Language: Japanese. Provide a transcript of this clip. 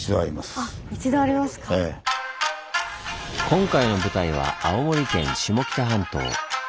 今回の舞台は青森県下北半島。